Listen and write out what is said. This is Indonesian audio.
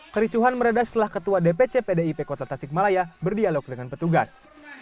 kericuhan meredah setelah ketua dpc pdip kota tasikmalaya berdialog dengan petugas